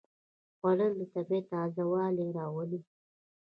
خوړل د طبیعت تازهوالی راولي